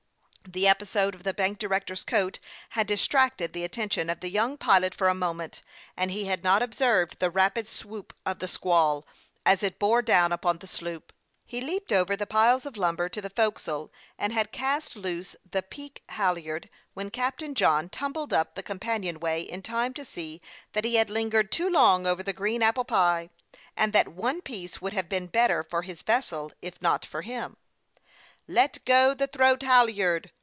The episode of the bank director's coat had distracted the attention of the young pilot for a moment, and he had not observed the rapid swoop of the squall, as it bore down upon the sloop. He leaped over 2* 18 HASTE AXD WASTE, OR 9 the piles of lumber to the forecastle, and had cast loose the peak halyard, when Captain John tumbled up the companion way in time to see that he had lingered too long over the green apple pie, and that one piece Avould have been better for his vessel, if not for him. " Let go the throat halyard